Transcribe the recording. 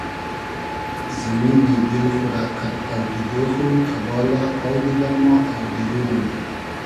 زیمینی دیل خو رۂ قئد اۆدیدې خو تئبالۂ آو دیدۂ ما آودیری نوم